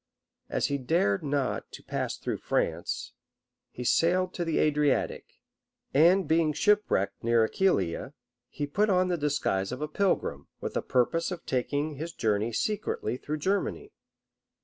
As he dared not to pass through France, he sailed to the Adriatic; and being ship wrecked near Aquileia, he put on the disguise of a pilgrim, with a purpose of taking his journey secretly through Germany.